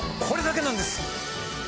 これだけなんです！